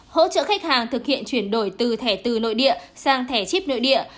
hỗ trợ khách hàng thực hiện chuyển đổi từ thẻ từ nội địa sang thẻ chip nội địa